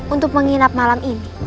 untuk menginap malam ini